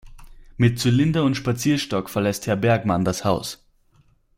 Mit Zylinder und Spazierstock verlässt Herr Bergmann das Haus.